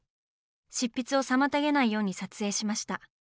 執筆を妨げないように撮影しました。